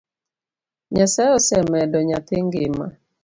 Nyasaye osemedo nyathi ngima